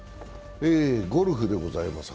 ゴルフでございます。